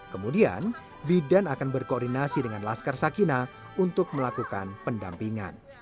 kemudian bidan akan berkoordinasi dengan laskar sakina untuk melakukan pendampingan